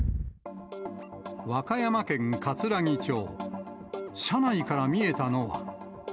和歌山県かつらぎ町、車内から見えたのは。